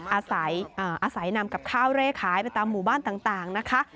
อาศัยนำกับข้าวเร่ขายไปตามหมู่บ้านต่างนะคะ